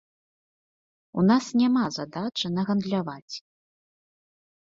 У нас няма задачы нагандляваць.